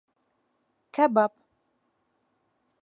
Кәбаб.